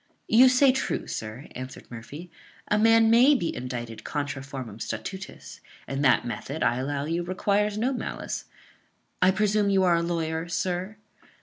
"You say true, sir," answered Murphy; "a man may be indicted contra formam statutis; and that method, I allow you, requires no malice. I presume you are a lawyer, sir?"